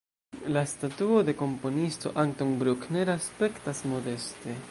La statuo de komponisto Anton Bruckner aspektas modeste.